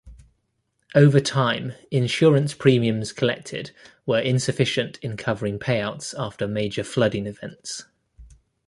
Over time, insurance premiums collected were insufficient in covering payouts after major flooding events.